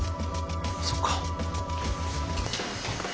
そっか。